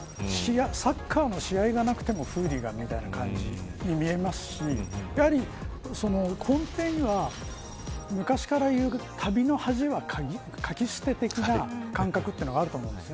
サッカーの試合がなくてもフーリガンみたいな感じに見えますしやはり根底には昔から言う、旅の恥はかき捨て的な感覚があると思うんです。